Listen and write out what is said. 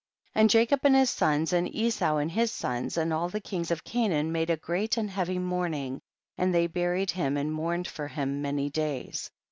14. And Jacob and his sons, and Esau and his sons, and all the kings of Canaan made a great and heavy mourning, and they buried him and mourned for him many days.